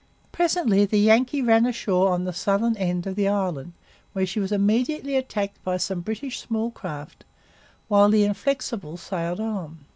Presently the Yankee ran ashore on the southern end of the island, where she was immediately attacked by some British small craft while the Inflexible sailed on.